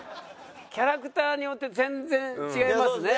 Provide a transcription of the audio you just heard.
キャラクターによって全然違いますね。